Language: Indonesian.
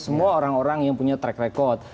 semua orang orang yang punya track record